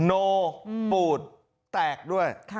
โนปูดแตกด้วย